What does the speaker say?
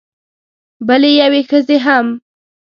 بلې یوې ښځې هم